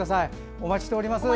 お待ちしております。